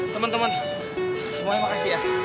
temen temen semuanya makasih ya